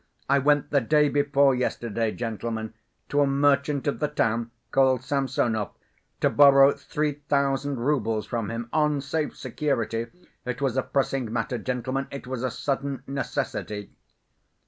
I went the day before yesterday, gentlemen, to a merchant of the town, called Samsonov, to borrow three thousand roubles from him on safe security. It was a pressing matter, gentlemen, it was a sudden necessity."